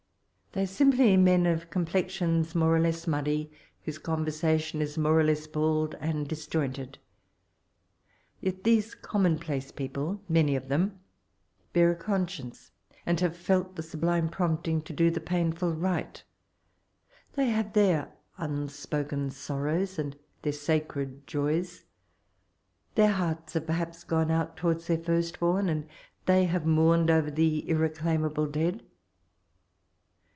They are mmply men of complexions more or lees muddy, whose oonversation is more or less bald and disjointed. Yet these commonplace people — many of them — bear a oon science, and have felt the sublime prompt bg to do the painful right; they have their un8poke]#8orrows» and their sacrtd joys ; their heatls have perhaps gone out towards their first born, and they have mourned over the irreclaimable dead.